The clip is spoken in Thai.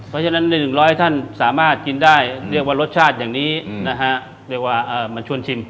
เพราะฉะนั้นใน๑๐๐ท่านสามารถกินได้เรียกว่ารสชาติอย่างนี้นะฮะเรียกว่ามันชวนชิม